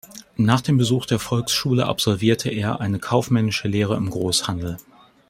Nach dem Besuch der Volksschule absolvierte er eine kaufmännische Lehre im Großhandel.